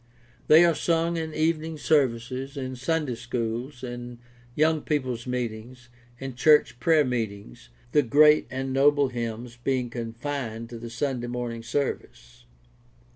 They are sung in evening services, in Sunday schools, in young people's meetings, in church prayer meetings — the great and noble hymns being confined to the Sunday morn ing service.